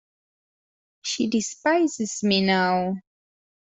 She despises me now.